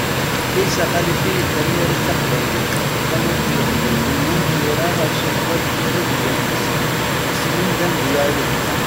Kaysa Xalifi d tamyarut taqbaylit, tamurt n Iqbayliyen, tira, asuqqel, tura deg yeɣmisen. Isem-im d amedya i lebda.